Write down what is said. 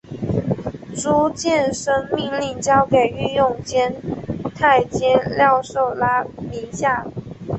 朱见深命令交给御用监太监廖寿拉名下。